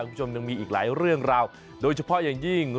คุณผู้ชมยังมีอีกหลายเรื่องราวโดยเฉพาะอย่างยิ่ง